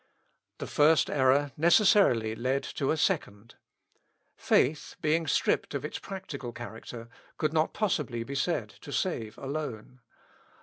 This first error necessarily led to a second. Faith being stripped of its practical character, could not possibly be said to save alone.